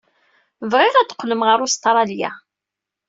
Bɣiɣ ad teqqlem ɣer Ustṛalya.